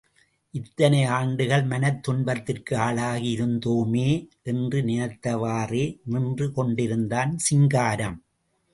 இத்தனை ஆண்டுகள் மனத் துன்பத்திற்கு ஆளாகி இருந்தோமே, என்று நினைத்தவாறே நின்று கொண்டிருந்தான் சிங்காரம்.